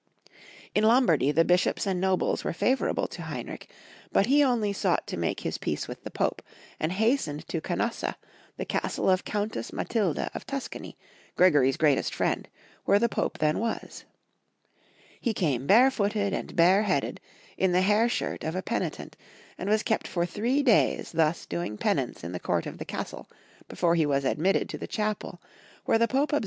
In Lombardy the bishops and nobles were favor able to Heinrich, but he only sought to make his peace with the Pope, and hastened to Canossa, the castle of Countess Matilda of Tuscany, Gregory's greatest friend, where the Pope then was. He came barefooted and bareheaded, in the hair shirt of a penitent, and was kept for three days thus doing penance in the court of the castle before he was admitted to the chapel, where the Pope ab 112 Young Folks'^ HUtory of Q ermany.